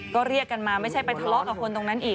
ก็เรียกกันมาไม่ใช่ไปทะเลาะกับคนตรงนั้นอีก